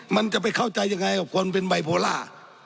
มันจะไปเข้าใจยังไงกับคนเป็นไบโพล่า